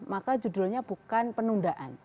maka judulnya bukan penundaan